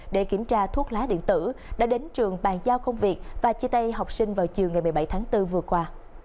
để kiểm tra thuốc lá điện tử đã đến trường bàn giao công việc và chia tay học sinh vào chiều ngày một mươi bảy tháng bốn vừa qua